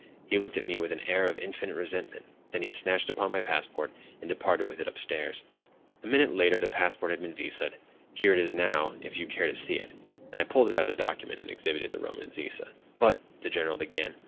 He looked at me with an air of infinite resentment. Then he snatched up my passport, and departed with it upstairs. A minute later the passport had been visaed! Here it is now, if you care to see it,"—and I pulled out the document, and exhibited the Roman visa. "But—" the General began.